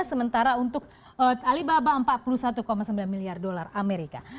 sementara untuk alibaba empat puluh satu sembilan miliar dolar amerika